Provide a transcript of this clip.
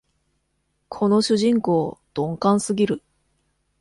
この主人公、鈍感すぎる